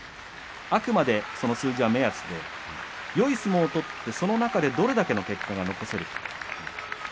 あくまで数字は目安でよい相撲を取ってその中でどれだけの結果が残せるか。